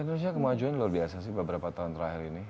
indonesia kemajuannya luar biasa sih beberapa tahun terakhir ini